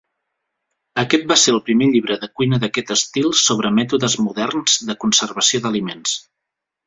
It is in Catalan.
Aquest va ser el primer llibre de cuina d'aquest estil sobre mètodes moderns de conservació d'aliments.